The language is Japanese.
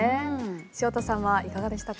潮田さんはいかがでしたか。